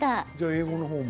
英語の方も？